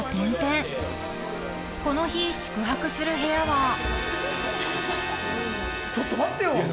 ［この日宿泊する部屋は］